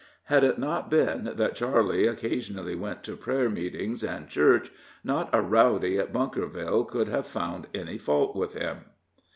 Had it not been that Charley occasionally went to prayer meetings and church, not a rowdy at Bunkerville could have found any fault with him.